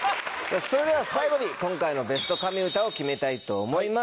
それでは最後に今回のベスト神うたを決めたいと思います。